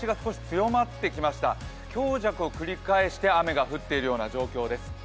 強弱を繰り返して雨が降っているような状況です。